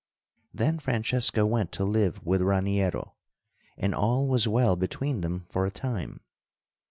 Then Francesca went to live with Raniero, and all was well between them for a time.